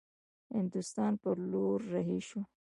هندوستان پر لور رهي شي.